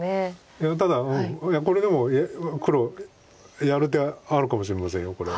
いやただこれでも黒やる手あるかもしれませんこれ。